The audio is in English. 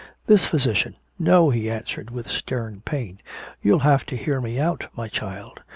This physician " "No," he answered with stern pain, "you'll have to hear me out, my child.